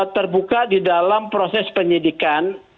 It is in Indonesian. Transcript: terbuka di dalam proses penyidikan